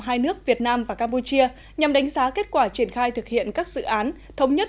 hai nước việt nam và campuchia nhằm đánh giá kết quả triển khai thực hiện các dự án thống nhất